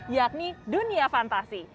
yakni dunia fantasi